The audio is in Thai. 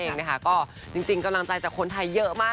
จริงกำลังใจจากคนไทยเยอะมาก